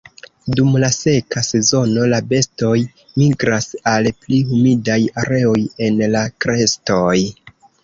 Dum la seka sezono la bestoj migras al pli humidaj areoj en la krestoj.